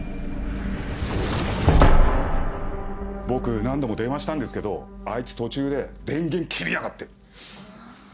僕何度も電話したんですけどあいつ途中で電源切りやがって。